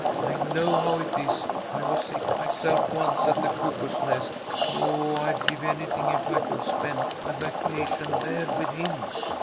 I know how it is. I was sick myself once at the Cuckoo's Nest. Oh, I'd give anything if I could spend my vacation there with him."